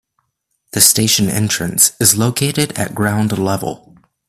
The station entrance is located at ground level.